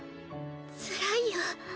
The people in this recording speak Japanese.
つらいよ。